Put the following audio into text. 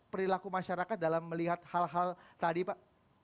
perilaku masyarakat dalam melihat hal hal tadi pak